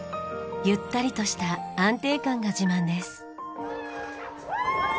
ゆったりとした安定感が自慢です。